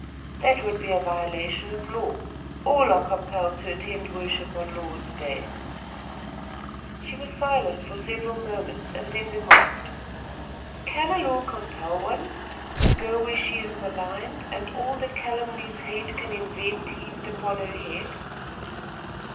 "That would be a violation of law. All are compelled to attend worship on Lord's day." She was silent for several moments and then remarked: "Can a law compel one to go where she is maligned and all the calumnies hate can invent heaped upon her head?"